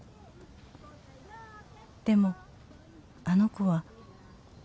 「でもあの子は」